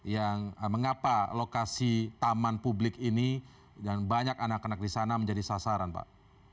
yang mengapa lokasi taman publik ini dan banyak anak anak di sana menjadi sasaran pak